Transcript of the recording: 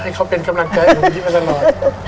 ให้เขาเป็นกำลังเจออุปสรรคที่มันตลอด